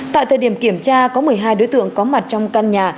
tại thời điểm kiểm tra có một mươi hai đối tượng có mặt trong căn nhà